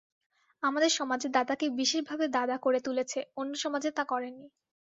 আমাদের সমাজে দাদাকে বিশেষভাবে দাদা করে তুলেছে, অন্য সমাজে তা করে নি।